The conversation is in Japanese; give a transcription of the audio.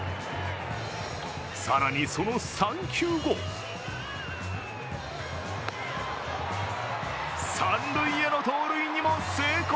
更にその３球後三塁への盗塁にも成功。